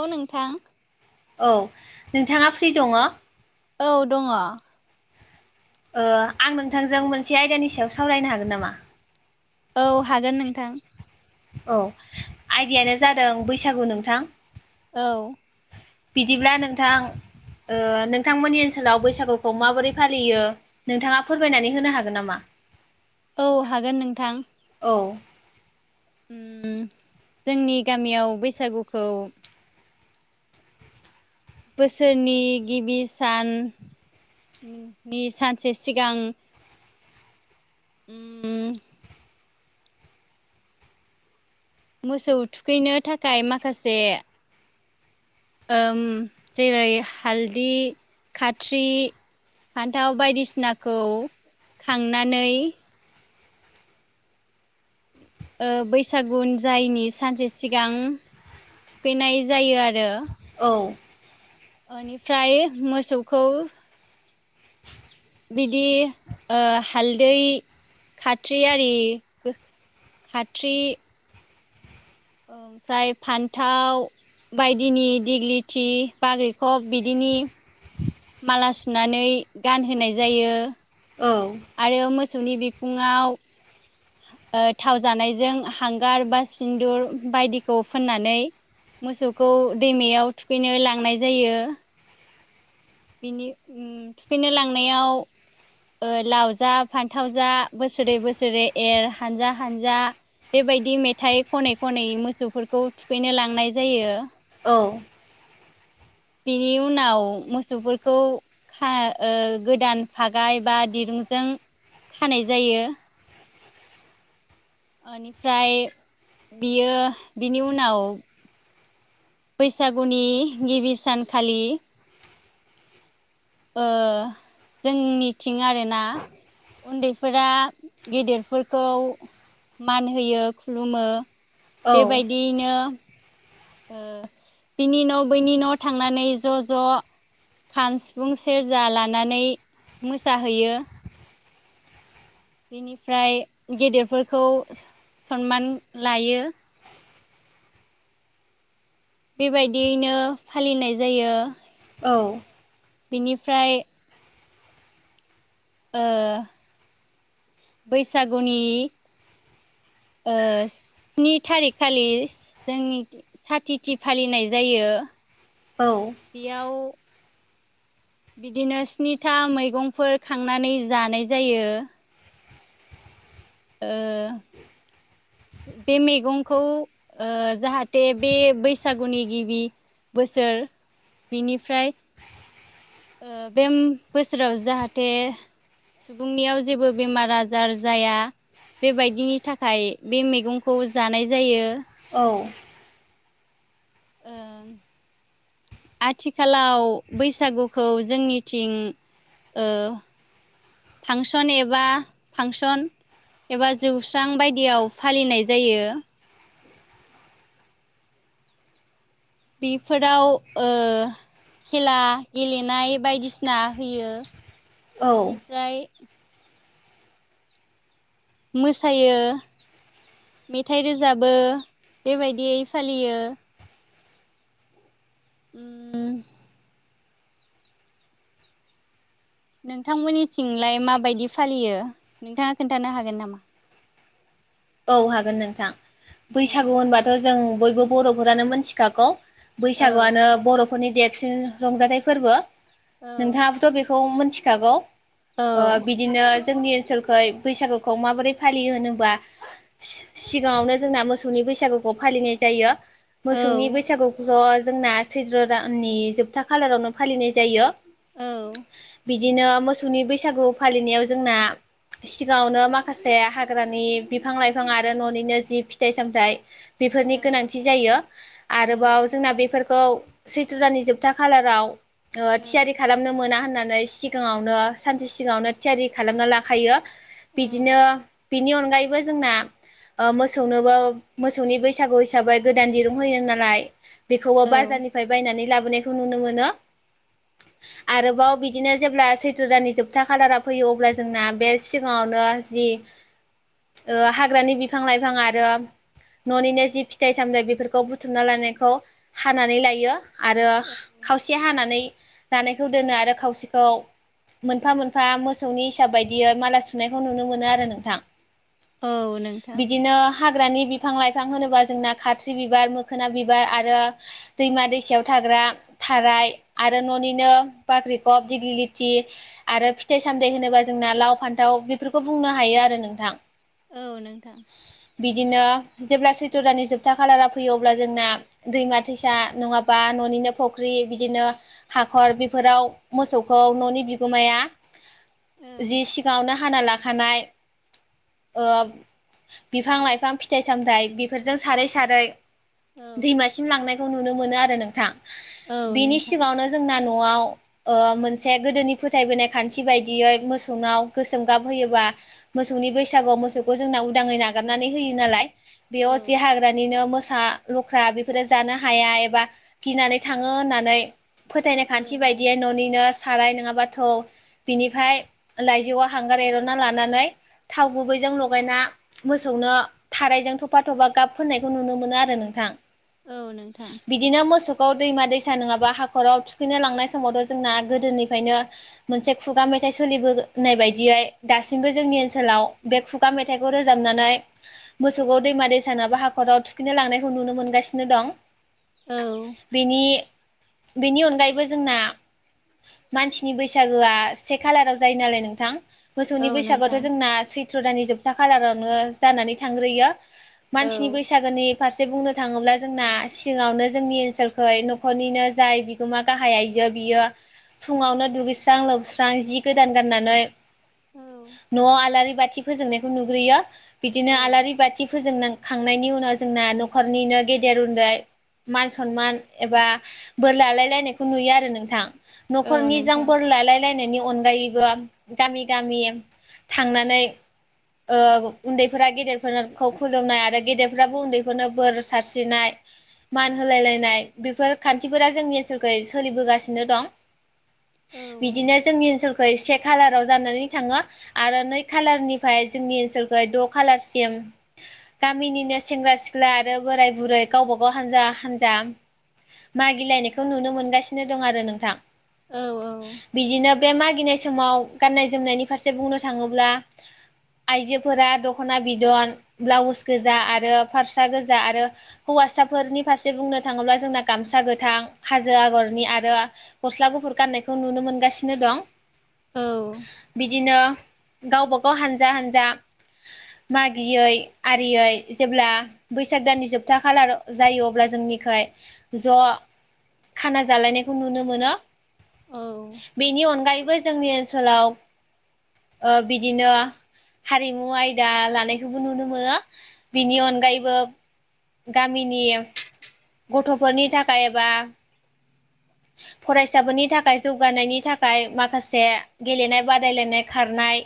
औ नोंथां औ नोंथाङा फ्रि दङ औ दङ ओ आं नोंथांजों मोनसे आयदानि सायाव सावरायनो हागोन नामा औ हागोन नोंथां औ आइडायानो जादों बैसागु नोंथां औ बिदिब्ला नोंथां ओ नोंथांमोननि ओनसोलाव बैसागुखौ माबोरै फालियो नोंथाङा फोरमायनानै होनो हागोन नामा [unintelligible] औ हागोन नोंथां औ उम जोंनि गामियाव बैसागुखौ बोसोरनि गिबि सान नि सानसे सिगां उम मोसौ थुखैनो थाखाय माखासे ओम जेरै हालदै खाथ्रि फान्थाव बायदिसिनाखौ खांनानै बैसागु जायनि सानसे सिगां थुखैनाय जायो आरो। औ। बेनिफ्राय मोसौखौ बिदि हालदै खाथ्रि आरि खाथ्रि ओमफ्राय फान्थाव बायदिनि दिग्लिथि बााग्रिखब बिदिनि माला सुनानै गानहोनाय जायो। औ आरो मोसौनि बिखुङाव थाव जानायजों हांगार बा सिन्दुर बायदिखौ फोननानै मोसौखौ दैमायाव थुखैनो लांनाय जायो। बिनि थुखैनो लांनायाव लाव जा फान्थाव जा बोसोरै बोसोरै एर हानजा हानजा बेबायदि मेथाइ खनै खनै मोसौफोरखौ थुखैनो लांनाय जायो। अ। बिनि उनाव मोसौफोरखौ खा ओ गोदान फागाय बा दिरुंजों खानाय जायो। बेनिफ्राय बियो बिनि उनाव बैसागुनि गिबि सानखालि ओ जोंनिथिं आरो ना। उन्दैफोरा गेदेरफोरखौ मान होयो खुलुमो औ बेबायदियैनो ओ बिनि न' बैनि न' थांनानै ज' ज' खाम सिफुं सेरजा लानानै मोसाहैयो। बेनिफ्राय गेदेरफोरखौ सनमान लायो। बेबायदियैनो फालिनाय जायो। औ। बिनिफ्राय ओ बैसागुनि [inaudible] ओ स्नि थारिख खालि जोंनि साथिथि फालिनाय जायो। औ बेयाव बिदिनो स्निथा मैगंफोर खांनानै जानाय जायो। ओ बे मैगंखौ ओ जाहाथे बे बैसागुनि गिबि बोसोर बिनिफ्राय ओ बे बोसोराव जाहाथे सुबुंनियाव जेबो बेमार आजार जाया बेबायदिनि थाखाय बे मैगंखौ जानाय जायो। औ। ओ आथिखालाव बैसागुखौ जोंनिथिं ओ फांसन एबा फांसन एबा जौस्रां बायदियाव फालिनाय जायो। बेफोराव ओ खेला गेलेनाय बायदिसिना होयो औ बेनिफ्राय मोसायो मेथाइ रोजाबो बेबायदियै फालियो। उम नोंथांमोननिथिंलाय माबायदि फालियो नोंथाङा खोन्थानो हागोन नामा [unintelligible] औ हागोन नोंथां बैसागु होनबाथ' जों बयबो बर'फोरानो मोनथिखागौ औ बैसागुवानो बर'फोरनि देरसिन रंजाथाइ फोरबो औ नोंथाङाबोथ' बेखौ मिथिखागौ औ ओ बिदिनो जोंनि ओनसोलखै बैसागुखौ माबोरै फालियो होनोबा सिगाङावनो जोंना मोसौनि बैसागुखौ फालिनाय जायो औ मोसौनि बैसागुखौ जोंना सैत्र दाननि जोबथा खालारावनो फालिनाय जायो औ बिदिनो मोसौनि बैसागु फालिनायाव जोंना सिगाङावनो माखासे हाग्रानि बिफां लाइफां आरो न'निनो जि फिथाइ सामथाइ बेफोरनि गोनांथि जायो आरोबाव जोंना बेफोरखौ सैत्र दानि जोबथा खालाराव ओ थियारि खालामनो मोना होननानै सिगाङावनो सानसे सिगाङावनो थियारि खालामना लाखायो बिदिनो औ बिनि अनगायै जोंना मोसौनोबो मोसौनि बैसागु हिसाबै गोदान दिरुं होयो नालाय बेखौबो औ बाजारनिफ्राय बायनानै लाबोनायखौ नुनो मोनो आरोबाव बिदिनो जेब्ला सैथ्र दाननि जोबथा खालारा फैयो अब्ला जोंना बे सिगाङावनो ओ जि हाग्रानि बिफां लाइफां आरो न'निनो जि फिथाइ सामथाय बेफोरखौ बुथुमना लानायखौ हानानै लायो आरो औ खावसेया हानानै जानायखौ दोनो आरो खावसेखौ मोनफा मोनफा मोसौनि हिसाब बायदियै माला सुनायखौ नुनो मोनो आरो नोंथां औ नोंथां बिदिनो हाग्रानि बिफां लाइफां होनोबा जोंना खाथि्रि बिबार मोखोना बिबार आरो दैमा दैसायाव था ग्रा थाराय आरो न'निनो बाखि्खब दिग्लिलिथि आरो फिथाय उन्दै होनोबा जोंना लाव फान्थाव बेफोरखौ बुंनो हायो आरो नोंथां औ नोंथां बिदिनो जेब्ला सैथ' दानि जोबथा खालारा फैयो अब्ला जोंना दैमा दैसा नङाबा न'निनो फुख्रि बिदिनो हाखर बेफोराव मोसौखौ न'नि बिगोमाया औ जि सिगाङावनो हाना लाखानाय ओ बिफां लाइफां फिथाइ सामथायाइ बेफोरजों सारै सारै औ दैमासिम लांनायखौ नुनो मोनो आरो नोंथां औ बेनि नोंथां सिगाङनो जोंना न'आव ओ मोनसे गोदोनि फोथायबोनाय खान्थि बायदियै मोसौनाव गोसोम गाब होयोबा मोसौनि बै सागुआव मोसौखौ जोंना उदाङै नागारनानै होयो नालाय औ बेयावसे हाग्रानिनो मो सा लख्रा बेफोरो जानो हाया एबा गिनानै थाङो होननानै फोथायनाय औ खान्थि बायदियै न'निनो साराय नङाब थौ बिनिफ्राय लाइजौआव हांगार एर'ना लानानै थाव गुबैजों लगायना मोसौनो थारायजों थफा थफा गाब फोननायखौ नुनो मोनो आरो नोंथां औ नोंथां बिदिनो मोसौखौ दैमा दैसा नङाबा हाखराव थुखैनो लांनाय समावथ' जोंना गोदोनिफ्रायनो मोनसे खुगा मे थाइ सोलिबोनाय बायदियै दासिमबो जोंनि ओनसाव बे खुगा मेथाइखौ रोजाबनानै मोसौखौ दैमा दैसानाबा हाखराव थुखिनो लांनायखौ नुनो मोनगासिनो दं औ बेनि बेनि अनगायैबो जोंना मानसिनि बैसागोआ से खालाराव जायो नालाय नोंथां मोसौनि नोंथां बैसागआवथ' जोंना सैथ्र' दान जोबथा खालारावनो जानानै थांग्रोयो औ मानसिनि बैसागोनि फारसे बुंनो थाङोब्ला जोंना सिङावनो जोंनि ओनसोलखै न'खरनिनो जाय बिगोमा गाहाय आइजो बियो फुङावनो दुगैस्रां लोबस्रां जि गोदान गाननानै औ। न'आव आलारि बाथि फोजोंनायखौ नुग्रोयो बिदिनो औ आलारि बाथि फोजों खांनायनि उनाव जोंना न'खरनिनो गेदेर उन्दै मान सनमान एबा बोर लालायलायनायखौ नुयो आरो नोंथां। औ न'खर नि नोंथां जांफोर लाायलायलायनायनि अनगायैबो गामि गामि थांनानै ओ उन्दैफोरा गेदेरफोरखौ खुलुमनाय आरो गेदेरफ्राबो उन्दैफोरनो बोर सारस्रिनाय मान होलाय लायनाय बेफोर खान्थिफोरा जोंनि ओनसोलख सोलिबोगासिनो दं। औ बिदिनो जोंनि ओनसोलखौ एसे खालाराव जानानै थाङो आरो नै खालारनिफ्राय जोंनि ओनसोलख द' खालारसिम गामिनिनो सेंग्रा सिख्ला ब्ला आरो बोराय बुरै गावबा गाव हानजा हान्जा मागिलायनायखौ नुनो मोनगासिनो दं आरो नोंथां। औ बिदिनो बे मागिनाय समाव गान्नाय जोमनायनि फारसे बुंनो थाङोब्ला आइजोफोरा दख'ना बिदन ब्लाउस गोजा आरो फारसा गोजा आरो हौवा साफोरनि फारसे बुंनो थाङोब्ला जोंना गामसा गोथां हाजो आगरनि आरो गस्ला गुफुर फाननायखौ नुनो मोनगासिनो दं औ बिदिनो गावबागाव हानजा हानजा मागियै आरियै जेब्ला बैसाग दाननि जोबथा खालार जायो अब्ला जोंनिख ज' खाना जालायनायखौ नुनो मोनो औ बेनि अनगायैबो जोंनि ओनसोलाव बिदिनो हारिमु आयदा लानायखौबो नुनो मोनो बिनि अनगायैबो गामिनि गथ'फोरनि थाखायबा फरायसाफोरनि थाखाय जौगानायनि थाखाय माखासे गेलेनाय बादायलायनाय खारनाय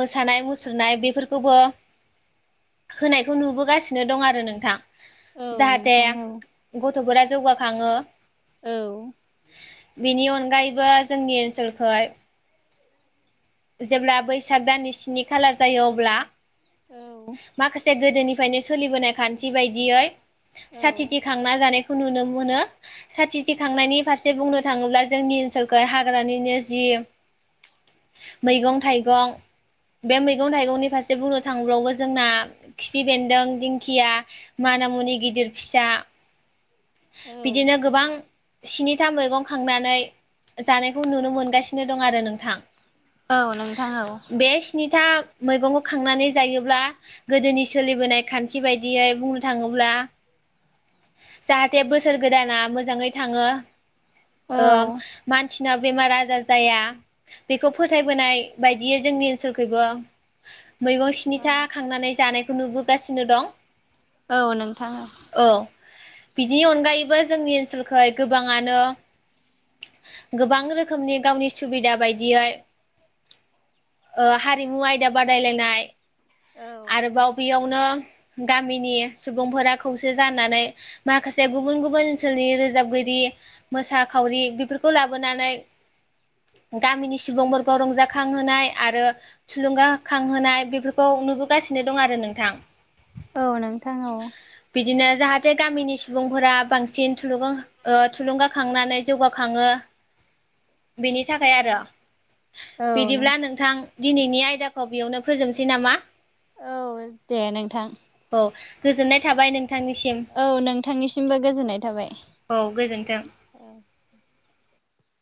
मोसानाय मुसुरनाय बेफोरखौबो होनायखौ नुबोगासिनो दं आरो नोंथां औ नों दे गथ'फोरा जौगाखाङो औ बेनि अनगायैबो जोंनि ओनसोलखाय जेब्ला बैसाग दाननि स्नि खाला जायो अब्ला औ माखासे गोदोनिफ्रायनो सोलिबोनाय खान्थि बायदियै औ साथिथि खांना जानाय खौ नुनो मोनो साथि थखांनायनि फारसे बुंनो थाङोब्ला जोंनि ओनसोलखौाय हाग्रानिनो जि [unintelligible] मैगं थाइगं बे मैगं थाइगंनि फारसे बुंनो थांबावबो जोंना खिफि बेन्दों दिंखिया माना मुनि गिदिर फिसा बिदिनो गोबां स्निथा मैगं खांनानै जानायखौ नुनो मोनगासिनो दं आरो नोंथां औ नोंथां औ बे स्निथा मैगंखौ खांनानै जायोब्ला गोदोनि सोलिबोनाय खान्थि बायदियै बुंनो थाङोब्ला [unintelligible] जाहाथे बोसोर गोदाना मोजाङै थाङो औ मानसि बिसिनाव बेमार आजार जाया बेखौ फोथायबोनाय बायदियै जोंनि ओनसोलखैबो मैगं स्निथा खांनानै जानायखौ नुबोगासिनो दं औ नोंथाङो औ बिनि अनगायैबो जोंनि ओनसोलखै गोबाङानो गोबां रोखोमनि गावनि सुबिदा बायदियै हारिमु आयदा बादायलायनाय आरोबाव बेयावनो गामिनि सुबुंफोरा खौसे जानानै माखासे गुबुन गुबुन ओनसोलनि रोजाबगिरि मोसा खावरि बेफोरखौ लाबोनानै गामिनि सुबुंफोरखौ रंजाखांहोनाय आरो थुलुंगाखांहोनाय बेफोरखौ नुबो दं आरो नोंथां बिदिनो जाहाथे गामिनि सुबुंफोरा बांसिन थुलुंगाखांनानै जौगाखाङो बिनि थाखाय आरो बिदिब्ला नोंथां दिनैनि आयदाखौ बेयावनो फोजोबसै नामा। औ दे नोंथां औ गोजोननाय थाबाय नों औ नोंथांनिसिमबो गोजोननाय थाबाय औ गोजोन्थों। औ